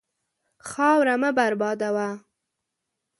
خاوره مه بربادوه.